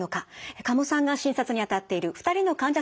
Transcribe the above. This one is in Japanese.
加茂さんが診察に当たっている２人の患者さんを例にご紹介します。